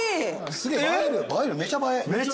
すげえ映える映えるめちゃ映え。